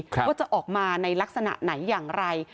ว่าจะออกมาในลักษณะไหนอย่างไร